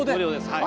はい。